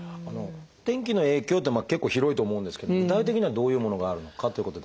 天気の影響って結構広いと思うんですけども具体的にはどういうものがあるのかということですが。